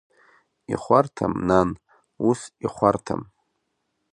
Ихәарҭам, нан, ус ихәарҭам!